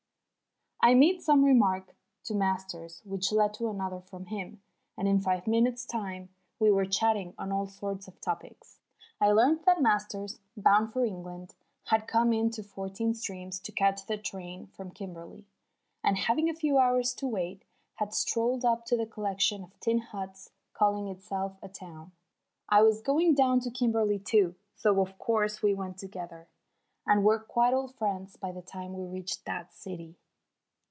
I made some remark to Masters which led to another from him, and in five minutes' time we were chatting on all sorts of topics. I learnt that Masters, bound for England, had come in to Fourteen Streams to catch the train from Kimberley, and, having a few hours to wait, had strolled up to the collection of tin huts calling itself a town. I was going down to Kimberley too, so of course we went together, and were quite old friends by the time we reached that city.